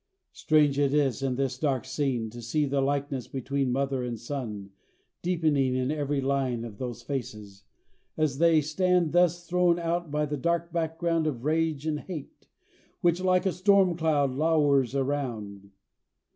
Strange it is, in this dark scene, to see the likeness between mother and son, deepening in every line of those faces, as they stand thus thrown out by the dark background of rage and hate, which like a storm cloud lowers around.